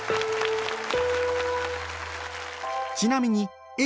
ちなみに